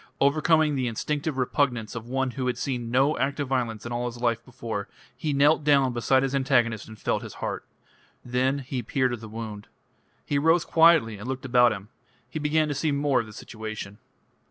Overcoming the instinctive repugnance of one who had seen no act of violence in all his life before, he knelt down beside his antagonist and felt his heart. Then he peered at the wound. He rose quietly and looked about him. He began to see more of the situation.